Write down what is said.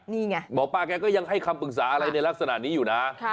นี่ไงหมอป้าแกก็ยังให้คำปรึกษาอะไรในลักษณะนี้อยู่นะ